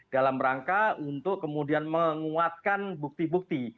dalam rangka untuk kemudian menguatkan bukti bukti